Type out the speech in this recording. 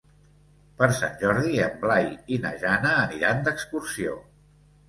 Per Sant Jordi en Blai i na Jana aniran d'excursió.